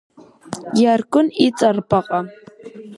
Иаркын иҵарбаҟа.